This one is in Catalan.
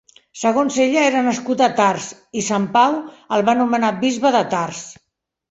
Segons ella, era nascut a Tars, i Sant Pau el va nomenar bisbe de Tars.